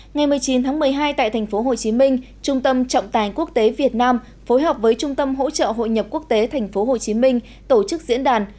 ngày một mươi chín tháng một mươi hai tại tp hcm trung tâm trọng tài quốc tế việt nam phối hợp với trung tâm hỗ trợ hội nhập quốc tế tp hcm tổ chức diễn đàn